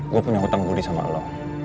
gue punya hutang budi sama allah